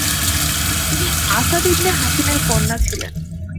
তিনি Asad ibn Hashim এর কন্যা ছিলেন।